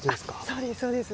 そうです、そうです。